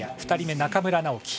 ２人目、中村直幹。